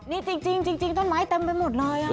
นี่จริงต้นไม้เต็มไปหมดเลย